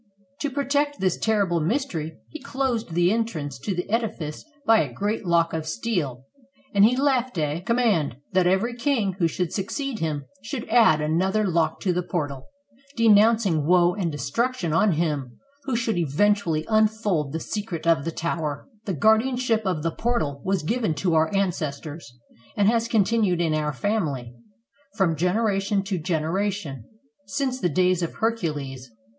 To protect this terrible mystery he closed the entrance to the edince by a great lock of steel, and he left a com 432 KING RODERICK AND THE MAGIC TOWER mand that every king who should succeed him should add another lock to the portal; denouncing woe and destruction on him who should eventually unfold the secret of the tower. "The guardianship of the portal was given to our ancestors, and has continued in our family, from gener ation to generation, since the days of Hercules.